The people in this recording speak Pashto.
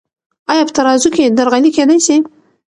آیا په ترازو کې درغلي کیدی سی؟